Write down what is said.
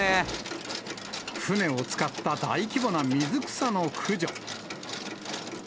船を使った大規模な水草の駆除。